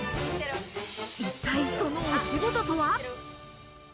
一体、そのお仕事とは？